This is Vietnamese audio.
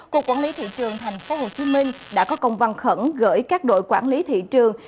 cục quản lý thị trường thành phố hồ chí minh đã có công văn khẩn gửi các đội quản lý thị trường